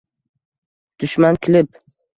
Dushman kilib